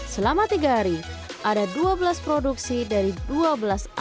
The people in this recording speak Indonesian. selama tiga hari ada dua belas produksi dari dua belas area